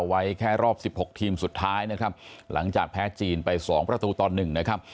ไว้แค่รอบสิบหกทีมสุดท้ายนะครับหลังจากแพ้จีนไปสองประตูต่อหนึ่งนะครับ